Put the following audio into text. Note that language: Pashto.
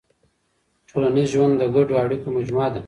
ټولنیز ژوند د ګډو اړیکو مجموعه ده.